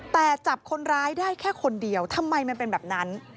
แต่จับคนร้ายได้แค่คนเดียวทำไมมันเป็นแบบนั้น